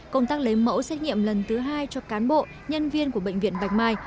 công tác lấy mẫu xét nghiệm lần thứ hai cho cán bộ nhân viên của bệnh viện bạch mai